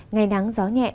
ngày nắng gió nhẹ